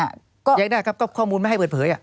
ยังได้ครับก็ข้อมูลไม่ให้เปิดเผย